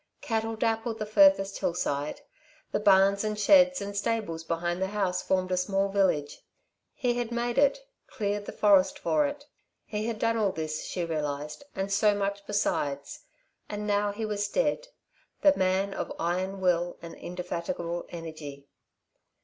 Cattle dappled the furthest hillside. The barns and sheds and stables behind the house formed a small village. He had made it, cleared the forest for it. He had done all this, she realised, and so much besides, and now he was dead, the man of iron will and indefatigable energy.